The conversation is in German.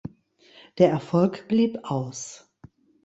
Der Erfolg blieb aus.